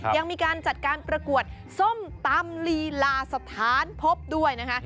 ยังมีการจัดการประกวดส้มตำลีลาสถานพบด้วยนะคะ